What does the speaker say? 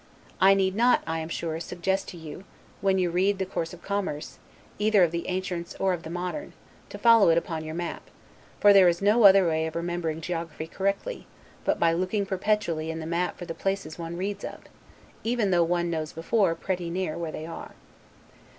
I need not, I am sure, suggest to you, when you read the course of commerce, either of the ancients or of the moderns, to follow it upon your map; for there is no other way of remembering geography correctly, but by looking perpetually in the map for the places one reads of, even though one knows before, pretty near, where they are.